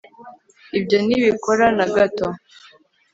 ibyo ntibikora na gato